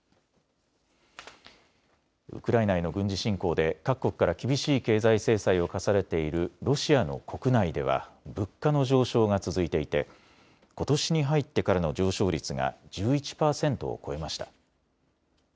ウクライナへの軍事侵攻で各国から厳しい経済制裁を科されているロシアの国内では物価の上昇が続いていてことしに入ってからの上昇率が１１％を超えました。